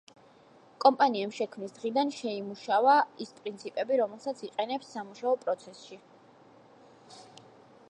კომპანიამ შექმნის დღიდან შეიმუშავა ის პრინციპები, რომელსაც იყენებს სამუშაო პროცესში.